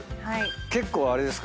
結構あれですか？